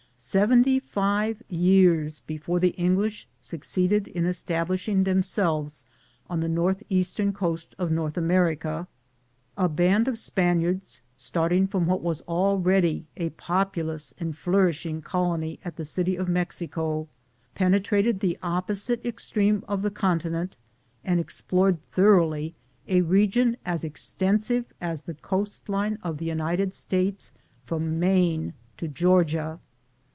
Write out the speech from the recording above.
Seventy five years be fore the English succeeded in establishing themselves on the northeastern coast of North America, a band of Spaniards, start ing from what was already a populous and flourishing colony at the City of Mexico, penetrated the opposite extreme of the con tinent, and explored thoroughly a region as extensive as die coast line of the United States from Maine to Georgia.